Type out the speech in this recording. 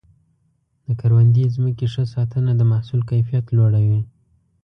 د کروندې ځمکې ښه ساتنه د محصول کیفیت لوړوي.